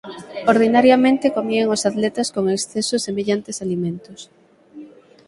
Ordinariamente comían os atletas con exceso semellantes alimentos.